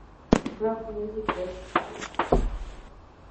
Pop'n music Best Hits!